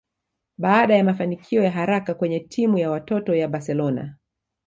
Baada ya mafanikio ya haraka kwenye timu ya watoto ya Barcelona